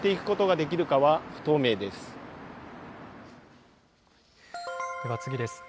では次です。